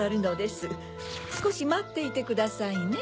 すこしまっていてくださいね。